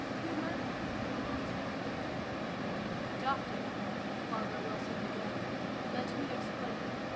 "Humor?" Malone said. "Doctor," Barbara Wilson began, "let me explain.